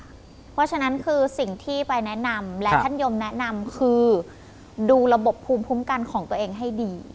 เพราะฉะนั้นคือสิ่งที่ไปแนะนำและท่านยมแนะนำคือดูระบบภูมิคุ้มกันของตัวเองให้ดี